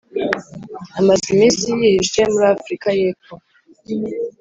Amazi iminsi yihishe muri Afurika y’ epfo